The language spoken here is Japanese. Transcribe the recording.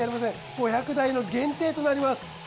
５００台の限定となります。